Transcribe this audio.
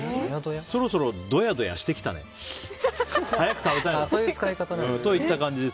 そろそろ、どやどやしてきたね早く食べたいなといった感じです。